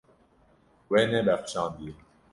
We nebexşandiye.